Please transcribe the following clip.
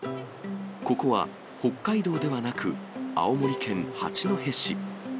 ここは北海道ではなく、青森県八戸市。